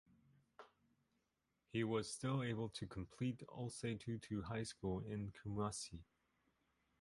He was still able to complete Osei Tutu High School in Kumasi.